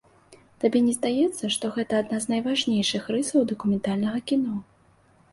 Табе не здаецца, што гэта адна з найважнейшых рысаў дакументальнага кіно?